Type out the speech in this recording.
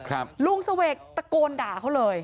ลุงเสวกตะโกนด่าเขาเลย